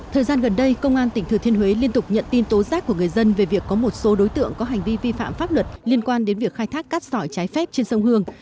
thời gian gần đây công an tỉnh thừa thiên huế liên tục nhận tin tố giác của người dân về việc có một số đối tượng có hành vi vi phạm pháp luật liên quan đến việc khai thác cát sỏi trái phép trên sông hương